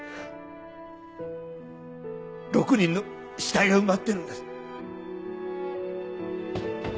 ６人の死体が埋まってるんです。